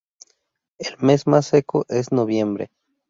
El mes más seco es noviembre.